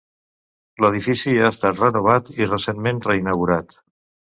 L'edifici ha estat renovat i recentment reinaugurat.